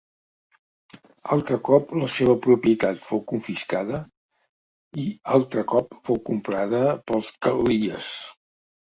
Altre cop la seva propietat fou confiscada i altre cop fou comprada per Càl·lies.